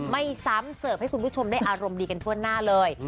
ไม่ซ้ำเสิร์ฟให้คุณผู้ชมได้อารมณ์ดีกันทั่วหน้าเลย